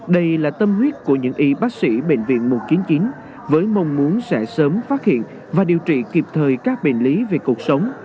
đây là tâm huyết của những y bác sĩ bệnh viện một trăm chín mươi chín với mong muốn sẽ sớm phát hiện và điều trị kịp thời các bệnh lý về cuộc sống